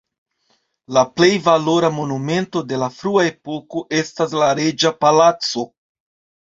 La plej valora monumento de la frua epoko estas la reĝa palaco.